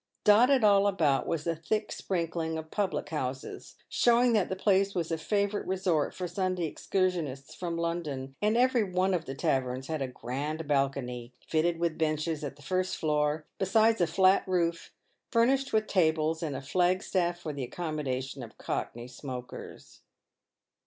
Dotted all about was a thick sprinkling of public houses, showing that the place was a favourite resort for Sunday excursionists from London ; and every one of the taverns had a grand balcony, fitted with benches, at the first floor, besides a flat roof^ furnished with tables and a flag staff for the accommodation of Cockney smokers.